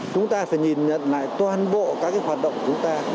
chúng ta phải nhìn nhận lại toàn bộ các hoạt động chúng ta